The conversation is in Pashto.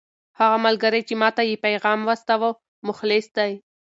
هغه ملګری چې ما ته یې پیغام واستاوه مخلص دی.